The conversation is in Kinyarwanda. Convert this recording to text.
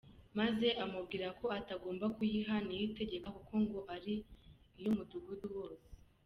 Maze amubwira ko atagomba kuyiha Niyitegeka kuko ngo ari iy’umudugudu wose.